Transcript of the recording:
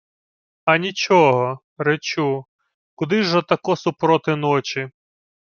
— А нічого. Речу: куди ж отако супроти ночі?